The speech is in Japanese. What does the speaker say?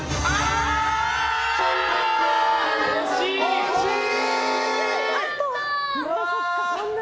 惜しい！